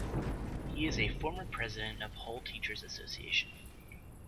He is a former President of Hull Teachers Association.